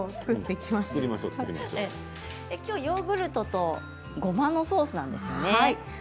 きょうはヨーグルトとごまのソースですね。